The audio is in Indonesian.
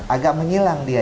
agak menyilang dia